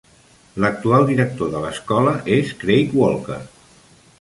L'actual director de l'escola és Craig Walker.